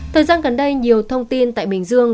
thời gian gần đây nhiều thông tin tại bình dương